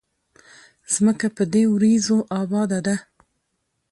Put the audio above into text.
ځمکه په دې وريځو اباده ده